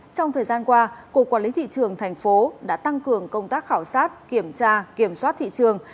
trong thời gian qua cục quản lý thị trường thành phố đã tăng cường công tác khảo sát kiểm tra kiểm soát thị trường